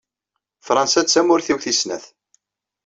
Fransa d tamurt iw tis snat.